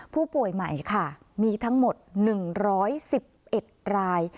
ผู้ป่วยใหม่ค่ะมีทั้งหมด๑๑๑ราย